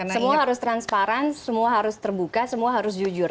semua harus transparan semua harus terbuka semua harus jujur